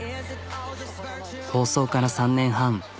放送から３年半。